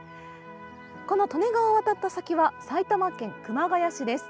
この利根川を渡った先は埼玉県熊谷市です。